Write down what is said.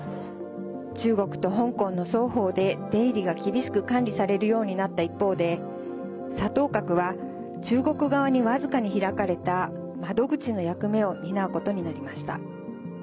中国と香港の双方で出入りが厳しく管理されるようになった一方で沙頭角は中国側に僅かに開かれた窓口の役目を担うことになりました。